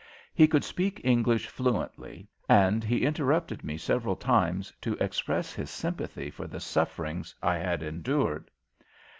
He could speak English fluently, and he interrupted me several times to express his sympathy for the sufferings I had endured.